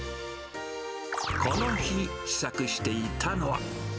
この日、試作していたのは。